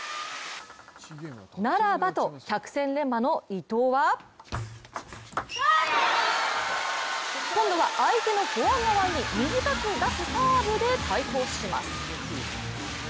ならばと、百戦錬磨の伊藤は今度は相手のフォア側に短く出すサーブで対抗します。